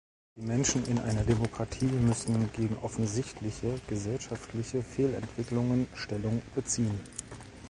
Die Menschen in einer Demokratie müssen gegen offensichtliche gesellschaftliche Fehlentwicklungen Stellung beziehen.